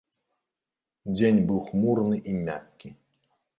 Дзень быў хмурны і мяккі.